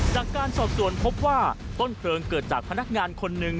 จากการสอบส่วนพบว่าต้นเพลิงเกิดจากพนักงานคนหนึ่ง